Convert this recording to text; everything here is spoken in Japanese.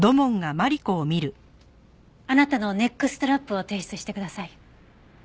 あなたのネックストラップを提出してください。